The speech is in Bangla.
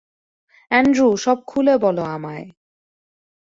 অ্যান্ড্রু, সব খুলে বলো আমায়।